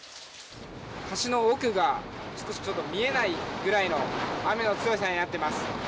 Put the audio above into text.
橋の奥が見えないくらいの雨の強さになっています。